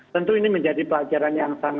tentu ini menjadi pelajaran yang sangat penting